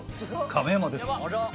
亀山です。